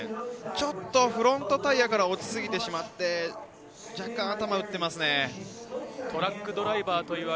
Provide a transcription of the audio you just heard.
ちょっとフロントタイヤから落ちてしまって若干頭を打っていますね。